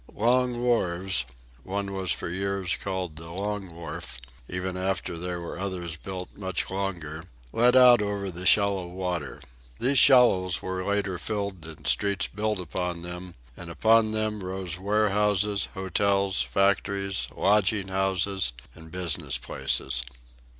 Long wharves one was for years called the Long Wharf even after there were others built much longer led out over the shallow water. These shallows were later filled and streets built upon them, and upon them arose warehouses, hotels, factories, lodging houses and business places.